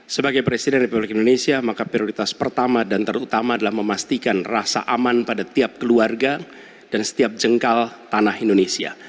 sebagai presiden republik indonesia maka prioritas pertama dan terutama adalah memastikan rasa aman pada tiap keluarga dan setiap jengkal tanah indonesia